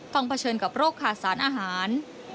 เผชิญกับโรคขาดสารอาหาร